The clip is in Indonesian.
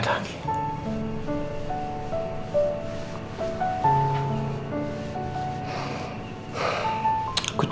aku capek sendiri kan